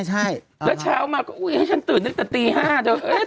แล้วเช้ามาก็ให้ฉันตื่นนึกแต่ตี๕เดี๋ยว